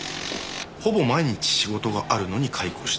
ほぼ毎日仕事があるのに解雇した。